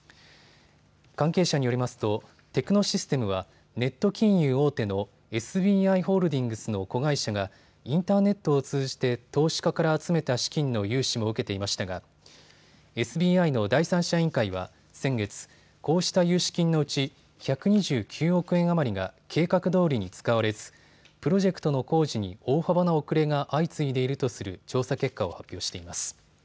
関係者によりますとテクノシステムはネット金融大手のＳＢＩホールディングスの子会社がインターネットを通じて投資家から集めた資金の融資も受けていましたがＳＢＩの第三者委員会は先月、こうした融資金のうち１２９億円余りが計画どおりに使われずプロジェクトの工事に大幅な遅れが相次いでいるとする調査結果を発表しています。